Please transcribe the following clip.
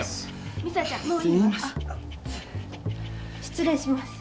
失礼します。